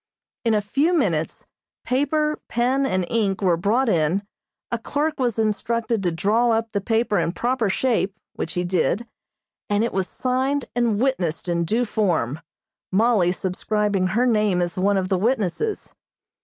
In a few minutes paper, pen and ink were brought in, a clerk was instructed to draw up the paper in proper shape, which he did, and it was signed and witnessed in due form, Mollie subscribing her name as one of the witnesses.